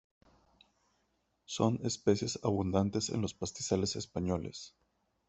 Son especies abundantes en los pastizales españoles.